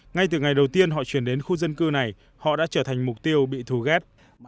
ngay từ ngày đầu tiên họ chuyển đến khu dân cư này họ đã trở thành mục tiêu bị thù ghét